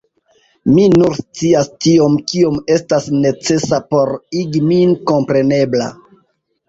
Mi nur scias tiom, kiom estas necesa por igi min komprenebla.